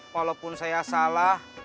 walaupun saya salah